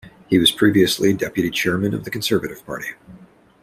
He was previously Deputy Chairman of the Conservative Party.